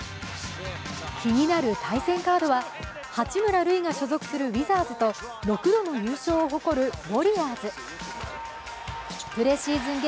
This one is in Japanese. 気になる対戦カードは八村塁が所属するウィザーズと６度の優勝を誇るウォリアーズ。